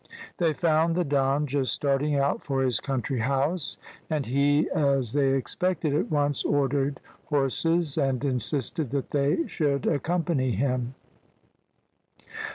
They found the Don just starting out for his country house, and he, as they expected, at once ordered horses, and insisted that they should accompany him.